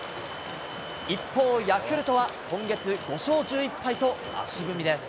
一方、ヤクルトは今月５勝１１敗と、足踏みです。